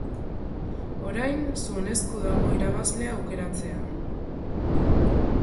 Orain, zuen esku dago irabazlea aukeratzea.